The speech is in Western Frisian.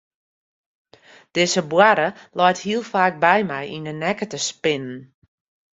Dizze boarre leit hiel faak by my yn de nekke te spinnen.